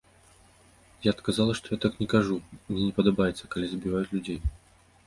Я адказала, што я так не кажу, мне не падабаецца, калі забіваюць людзей.